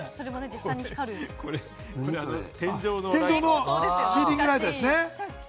これ天井のシーリングライトですね。